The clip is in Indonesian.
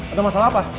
ada masalah apa